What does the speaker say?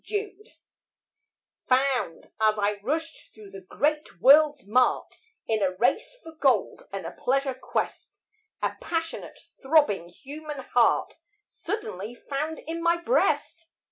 FOUND Found as I rushed through the great world's mart, In a race for gold and a pleasure quest, A passionate, throbbing human heart Suddenly found in my breast.